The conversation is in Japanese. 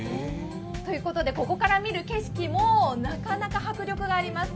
ということで、ここから見る景色もなかなか迫力があります。